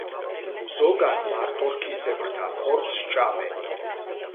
ზოგან მარტორქისებრთა ხორცს ჭამენ.